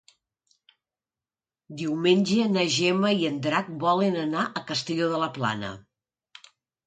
Diumenge na Gemma i en Drac volen anar a Castelló de la Plana.